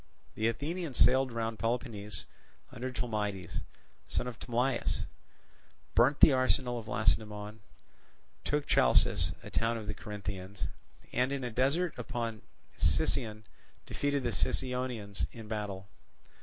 The Athenians sailed round Peloponnese under Tolmides, son of Tolmaeus, burnt the arsenal of Lacedaemon, took Chalcis, a town of the Corinthians, and in a descent upon Sicyon defeated the Sicyonians in battle.